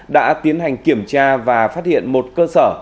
đã tiến hành kiểm tra và phát hiện một cơ sở